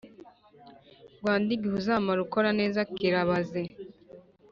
Rwanda igihe uzamara ukora neza kirabaze